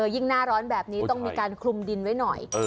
ยิ่งหน้าร้อนแบบนี้ต้องมีการคลุมดินไว้หน่อย